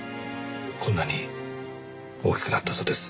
こんなに大きくなったそうです。